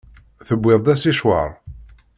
Tewwiḍ-d asicwaṛ?